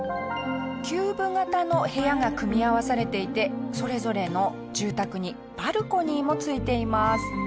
キューブ形の部屋が組み合わされていてそれぞれの住宅にバルコニーも付いています。